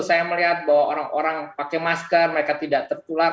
saya melihat bahwa orang orang pakai masker mereka tidak tertular